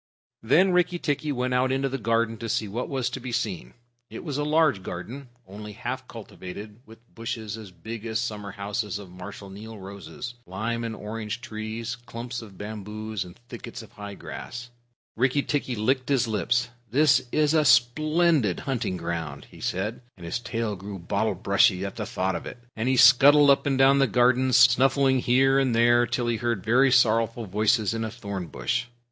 Then Rikki tikki went out into the garden to see what was to be seen. It was a large garden, only half cultivated, with bushes, as big as summer houses, of Marshal Niel roses, lime and orange trees, clumps of bamboos, and thickets of high grass. Rikki tikki licked his lips. "This is a splendid hunting ground," he said, and his tail grew bottle brushy at the thought of it, and he scuttled up and down the garden, snuffing here and there till he heard very sorrowful voices in a thorn bush.